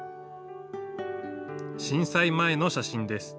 震災前の写真です。